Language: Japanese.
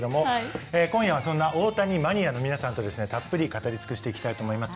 今夜はそんな大谷マニアの皆さんとたっぷり語りつくしていきたいと思います。